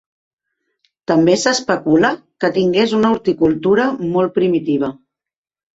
També s'especula que tingués una horticultura molt primitiva.